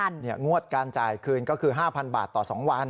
งวดการจ่ายคืนก็คือ๕๐๐บาทต่อ๒วัน